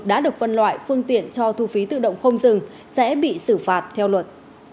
đã được phân loại phương tiện cho thu phí tự động không dừng sẽ bị xử phạt theo luật